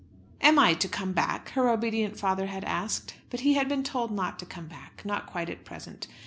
"Am I to come back?" her obedient father had asked. But he had been told not to come back, not quite at present.